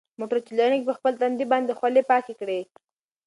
موټر چلونکي په خپل تندي باندې خولې پاکې کړې.